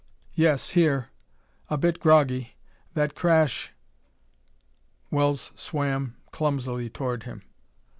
"Yes here. A bit groggy. That crash...." Wells swam clumsily towards him.